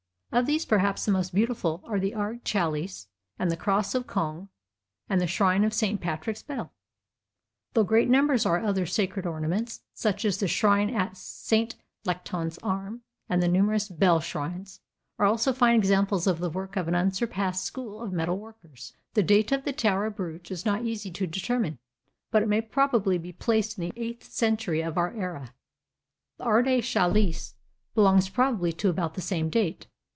Of these perhaps the most beautiful are the Ardagh Chalice, the Cross of Cong, and the Shrine of St. Patrick's Bell, though great numbers of other sacred ornaments, such as the Shrine of St. Lactan's Arm and the numerous bell shrines, are also fine examples of the work of an unsurpassed school of metalworkers. The date of the Tara Brooch is not easy to determine, but it may probably be placed in the eighth century of our era. The Ardagh Chalice belongs probably to about the same date.